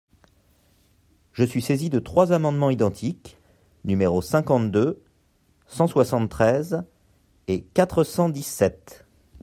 Je suis saisi de trois amendements identiques, numéros cinquante-deux, cent soixante-treize et quatre cent dix-sept.